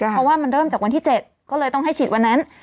เพราะว่ามันเริ่มจากวันที่๗ก็เลยต้องให้ฉีดวันนั้น